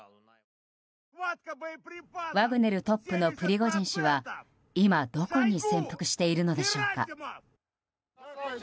ワグネルトップのプリゴジン氏は今どこに潜伏しているのでしょうか。